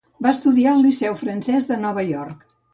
Va estudiar al Liceu Francès de Nova York.